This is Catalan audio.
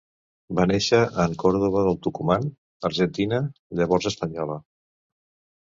Va néixer en Córdoba del Tucumán, Argentina, llavors espanyola.